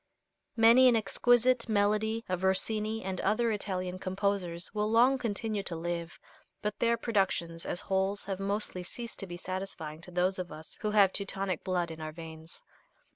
Many an exquisite melody of Rossini and other Italian composers will long continue to live, but their productions as wholes have mostly ceased to be satisfying to those of us who have Teutonic blood in our veins.